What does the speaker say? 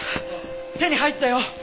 手に入ったよ！